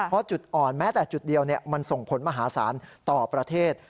เพราะจุดอ่อนแม้แต่จุดเดียวมันส่งผลมหาศาลต่อประเทศ